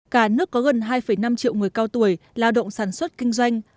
cả nước có gần hai năm triệu người cao tuổi lao động sản xuất kinh doanh